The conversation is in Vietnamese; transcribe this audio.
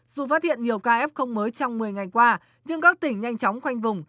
dù phát hiện nhiều ca ép không mới trong một mươi ngày qua nhưng các tỉnh nhanh chóng quanh vùng